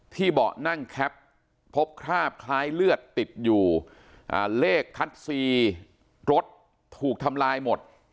เบาะนั่งแคปพบคราบคล้ายเลือดติดอยู่เลขคัดซีรถถูกทำลายหมด